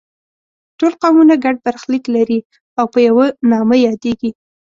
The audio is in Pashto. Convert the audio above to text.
ټول قومونه ګډ برخلیک لري او په یوه نامه یادیږي.